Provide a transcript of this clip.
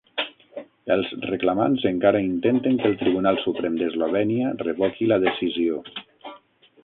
Els reclamants encara intenten que el Tribunal Suprem d'Eslovènia revoqui la decisió.